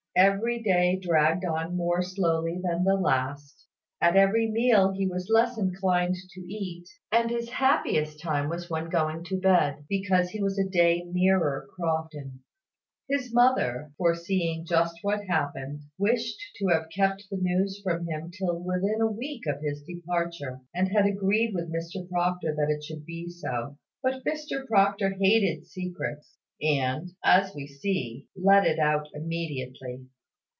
Every day dragged on more slowly than the last; at every meal he was less inclined to eat; and his happiest time was when going to bed, because he was a day nearer Crofton. His mother, foreseeing just what happened, wished to have kept the news from him till within a week of his departure, and had agreed with Mr Proctor that it should be so. But Mr Proctor hated secrets, and, as we see, let it out immediately.